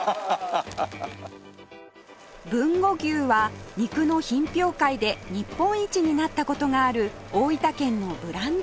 豊後牛は肉の品評会で日本一になった事がある大分県のブランド牛